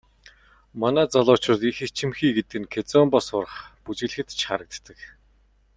Манай залуучууд их ичимхий гэдэг нь кизомба сурах, бүжиглэхэд ч харагддаг.